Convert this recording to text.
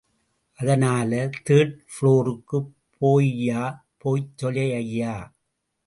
அதனால தேர்ட் புளோருக்குப் போய்யா... போய்த் தொலய்யா.